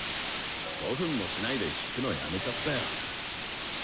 ５分もしないで弾くのやめちゃったよ。